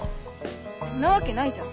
んなわけないじゃん。